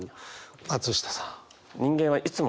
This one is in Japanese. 松下さん。